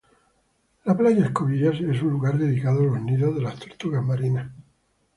La Playa Escobillas es un lugar dedicado a los nidos de las tortugas marinas.